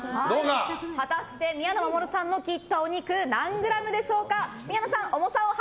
果たして宮野真守さんの切ったお肉何グラムでしょうか。